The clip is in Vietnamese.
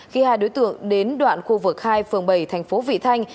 khi hai đối tượng đến đoạn khu vực hai phường bảy thành phố vị thanh